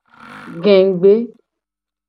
Gegbe.